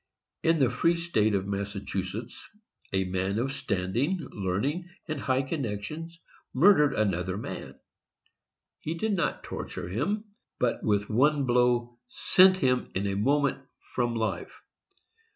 In the free State of Massachusetts, a man of standing, learning and high connections, murdered another man. He did not torture him, but with one blow sent him in a moment from life.